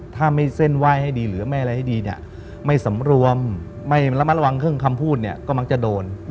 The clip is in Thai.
ถ้าไม่เส้นไหว้ให้ดีหรืออะไรให้ดีนี่ไม่สำรวมและไม่ระวังเครื่องคำพูดก็มักจะโดน